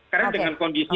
karena dengan kondisi